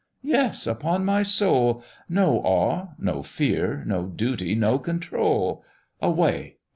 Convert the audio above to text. Yes! upon my soul; No awe, no fear, no duty, no control! Away!